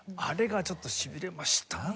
あれがちょっとしびれました。